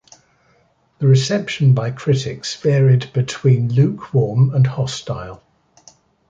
The reception by critics varied between lukewarm and hostile.